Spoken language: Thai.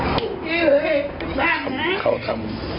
ที่แพ้อยู่นี่ก็ว่าผมค่อยทำเวช่ายงาน